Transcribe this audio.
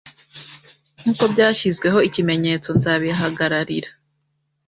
Nkuko byashyizweho ikimenyetso nzabihagararira